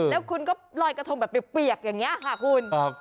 แล้วคุณก็ลอยกระทงแบบเปียกอย่างนี้ค่ะคุณ